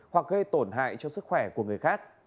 hoặc gây tổn hại cho sức khỏe của người khác